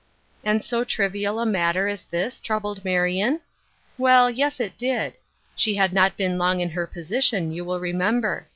And so trivial a matter as this troubled Marion ? Well, yes, it did. She had not been long in her position, you will remember.